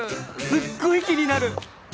すっごい気になる！